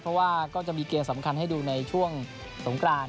เพราะว่าก็จะมีเกมสำคัญให้ดูในช่วงสงกราน